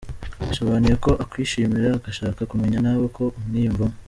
Bisobanuye ko akwishimira ashaka kumenya nawe uko umwiyumvamo.